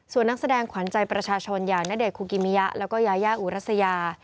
ส่วนนักแสดงขวัญใจประชาชนอย่างณเดชนคุกิมิยะแล้วก็ยายาอุรัสยา